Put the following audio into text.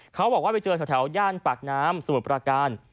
เขาบอกว่าไปเจอแถวย่านปากน้ำสมุทรประการ